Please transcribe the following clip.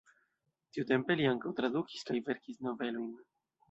Tiutempe li ankaŭ tradukis kaj verkis novelojn.